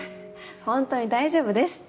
ホントに大丈夫ですって。